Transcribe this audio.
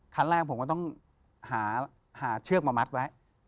คันแรกผมก็ต้องหาเชือกมามัดไว้